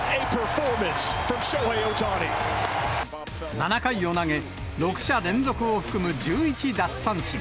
７回を投げ、６者連続を含む１１奪三振。